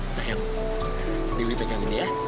sayang dewi pegang ini ya